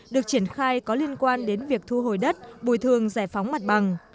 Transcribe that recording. được triển khai có liên quan đến việc thu hồi đất bồi thường giải phóng mặt bằng